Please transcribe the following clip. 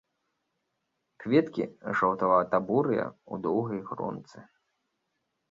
Кветкі жаўтавата-бурыя, у доўгай гронцы.